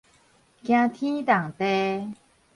驚天動地